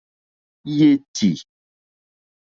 Yétì.